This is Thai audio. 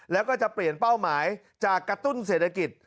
แล้วก็จะเปลี่ยนเป้าหมายจากกระตุ้นเศรษฐกิจ